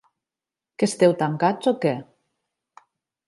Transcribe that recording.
Que esteu tancats, o què?